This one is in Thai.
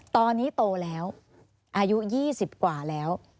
ตอนนี้โตแล้วอายุ๒๐กว่าแล้ว